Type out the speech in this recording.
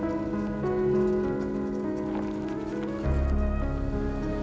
atau di apa posisi